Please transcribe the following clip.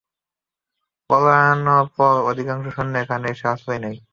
পলায়নপর অধিকাংশ সৈন্য এখানে এসে আশ্রয় নেয়।